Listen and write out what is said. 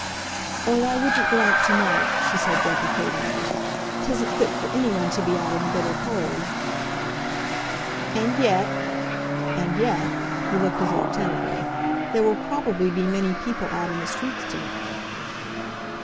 "Oh, I wouldn't go out to night," she said deprecatingly. "'Tisn't fit for anyone to be out in the bitter cold." "And yet—and yet"—he looked at her attentively—"there will probably be many people out in the streets to night."